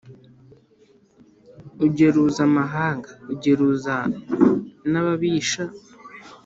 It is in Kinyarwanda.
ugeruza amahanga, ugeruza n'ababisha